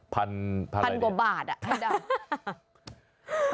พันพันอะไรดีพันกว่าบาทอ่ะให้ดำ